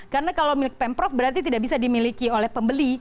karena kalau milik pemprov berarti tidak bisa dimiliki oleh pembeli